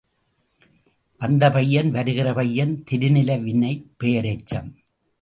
வந்த பையன், வருகிற பையன் தெரிநிலை வினைப் பெயரெச்சம்.